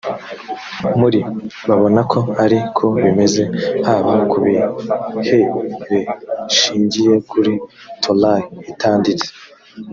muri babona ko ari ko bimeze haba ku bihereshingiye kuri torah itanditse